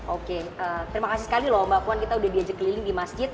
oke terima kasih sekali loh mbak puan kita udah diajak keliling di masjid